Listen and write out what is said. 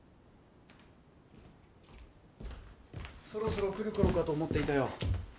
そろそろ来る頃かと思っていたよ。